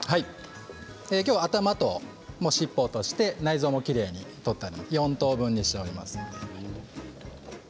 きょうは頭と尻尾を落として内臓もきれいに取って４等分にしてあります。